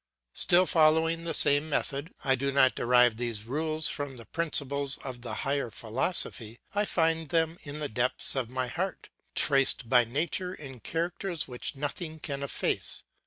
Still following the same method, I do not derive these rules from the principles of the higher philosophy, I find them in the depths of my heart, traced by nature in characters which nothing can efface.